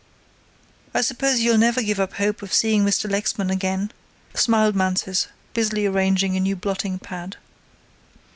"I suppose you'll never give up hope of seeing Mr. Lexman again," smiled Mansus, busily arranging a new blotting pad.